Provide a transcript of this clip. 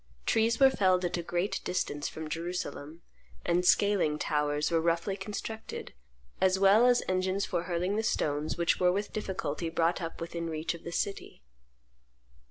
Trees were felled at a great distance from Jerusalem; and scaling towers were roughly constructed, as well as engines for hurling the stones which were with difficulty brought up within reach of the city.